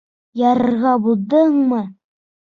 Ярырға булдыңмы?